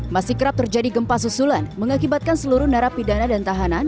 masih kerap terjadi gempa susulan mengakibatkan seluruh narapidana dan tahanan